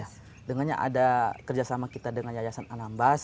ya dengannya ada kerjasama kita dengan yayasan anambas